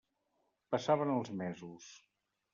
Passaven els mesos.